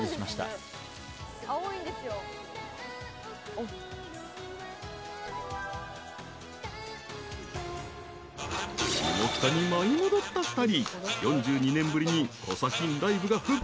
はぁ［下北沢に舞い戻った２人］